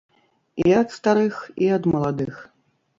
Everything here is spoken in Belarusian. І ад старых, і ад маладых.